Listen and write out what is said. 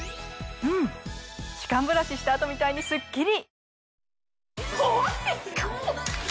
うん歯間ブラシした後みたいにすっきり！